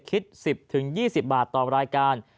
คิด๑๐๒๐บาทต่อรายการ